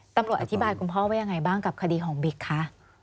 ตำรวจอธิบายคุณพ่อว่ายังไงบ้างกับคดีของบิ๊กคะ